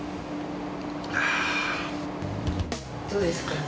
どうですか？